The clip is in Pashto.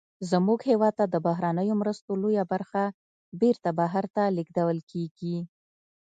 زمونږ هېواد ته د بهرنیو مرستو لویه برخه بیرته بهر ته لیږدول کیږي.